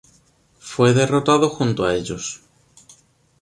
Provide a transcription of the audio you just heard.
Fue derrotado junto a ellos.